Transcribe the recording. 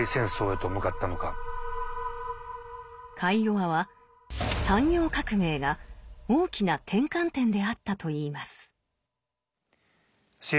カイヨワは産業革命が大きな転換点であったと言います。